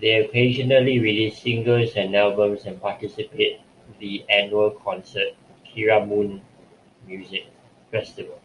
They occasionally release singles and albums and participate the annual concert Kiramune Music Festival.